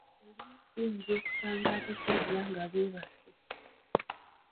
Olumu tuyinza okusanga abasajja nga beebase.